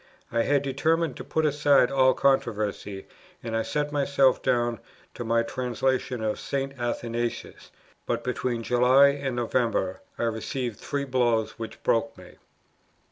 I had determined to put aside all controversy, and I set myself down to my translation of St. Athanasius; but, between July and November, I received three blows which broke me.